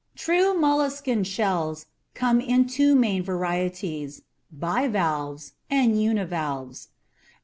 True molluscan shells come in two main varieties: BIVALVES and UNIVALVES.